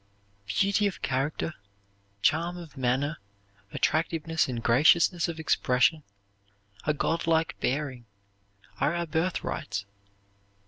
Beauty of character, charm of manner, attractiveness and graciousness of expression, a godlike bearing, are our birthrights.